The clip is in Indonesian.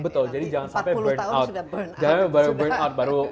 empat puluh tahun sudah burn out